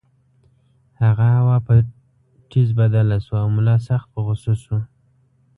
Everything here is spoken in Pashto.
هغه هوا په ټیز بدله شوه او ملا سخت په غُصه شو.